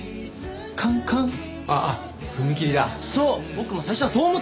僕も最初はそう思った。